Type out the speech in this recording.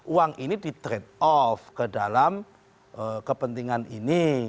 uang ini di trade off ke dalam kepentingan ini